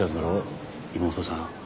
妹さん。